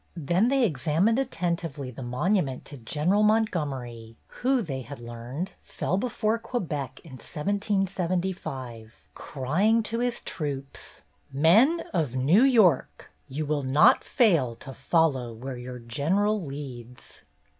Then they ex amined attentively the monument to General Montgomery, who, they had learned, fell before Quebec, in 1775, crying to his troops: "Men of New York, you will not fail to follow where your general leads